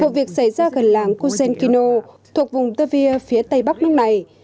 vụ việc xảy ra gần làng kuzhenkino thuộc vùng tervir phía tây bắc nước này